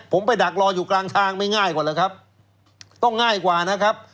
ผมไปดักรออยู่กลางทางไม่ง่ายกว่าแล้วครับต้องง่ายกว่านะครับ